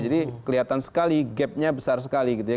jadi kelihatan sekali gapnya besar sekali gitu ya